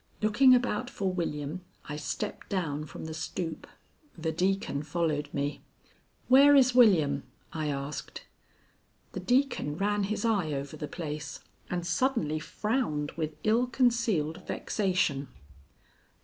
Looking about for William, I stepped down from the stoop. The Deacon followed me. "Where is William?" I asked. The Deacon ran his eye over the place, and suddenly frowned with ill concealed vexation.